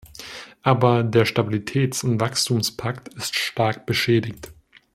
Aber der Stabilitäts- und Wachstumspakt ist stark beschädigt.